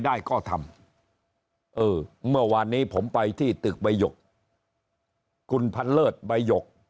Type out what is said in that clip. ได้ก็ทำเออเมื่อวานนี้ผมไปที่ตึกใบหยกคุณพันเลิศใบหยก